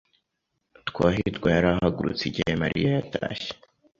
Twahirwa yari ahagurutse igihe Mariya yatashye.